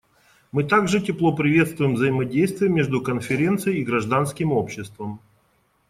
Мы также тепло приветствуем взаимодействие между Конференцией и гражданским обществом.